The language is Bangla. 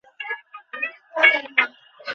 এটা আমাদের বিশ্বাস, যাই হোক উনারা আমাদের সৃষ্টিকর্তা।